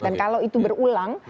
dan kalau itu berulang